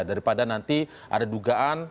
daripada nanti ada dugaan